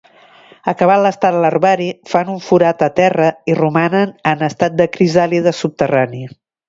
Acabat l'estat larvari, fan un forat a terra i romanen en estat de crisàlide subterrani.